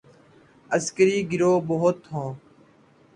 عسکری گروہ بہت ہوں۔